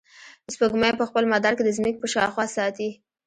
سپوږمۍ په خپل مدار کې د ځمکې په شاوخوا ساتي.